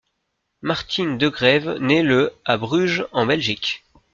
Martijn Degreve naît le à Bruges en Belgique.